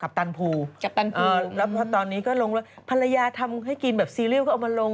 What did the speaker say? กัปตันภู่งิทย์แล้วตอนนี้ก็ลงแบบว่าภรรยาทำให้กินแบบซีเรียลเขาเอามาลง